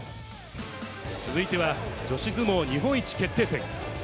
続いては、女子相撲日本一決定戦。